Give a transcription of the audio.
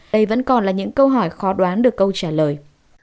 đây vẫn còn là những câu hỏi khó đoán được câu trả lời